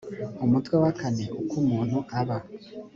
umutwe wa kane uko umuntu aba